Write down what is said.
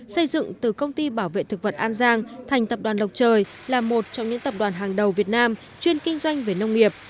xây dựng từ công ty bảo vệ thực vật an giang thành tập đoàn lộc trời là một trong những tập đoàn hàng đầu việt nam chuyên kinh doanh về nông nghiệp